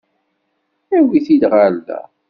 Awit-t-id ɣer da.